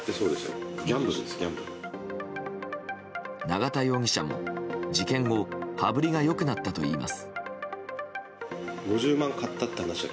永田容疑者も事件後羽振りが良くなったといいます。